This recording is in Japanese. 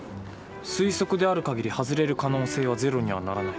推測である限り外れる可能性はゼロにはならない。